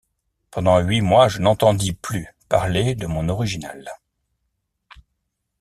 Pendant huit mois, je n’entendis plus parler de mon original.